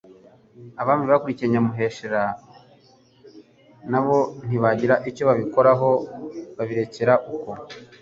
Abami bakurikiye Nyamuheshera nabo ntibagira icyo babikoraho babirekera uko.